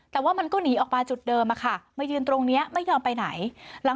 แต่ว่ามันก็หนีออกมาจุดเดิมอะค่ะมายืนตรงนี้ไม่ยอมไปไหนหลัง